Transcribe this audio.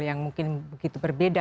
yang mungkin begitu berbeda